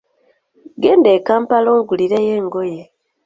Genda e Kampala ongulireyo engoye.